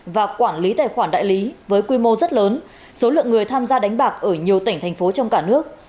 và quản lý tài khoản đại lý với quy mô rất lớn số lượng người tham gia đánh bạc ở nhiều tỉnh thành phố trong cả nước